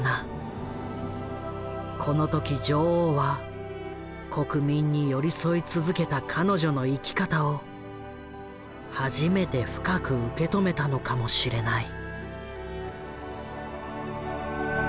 この時女王は国民に寄り添い続けた彼女の生き方を初めて深く受け止めたのかもしれない。